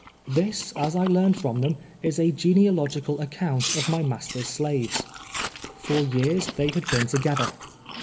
Tliis, as I learned from them, is a genealogical account of my master's slaves. For ^^ears they had been to gether.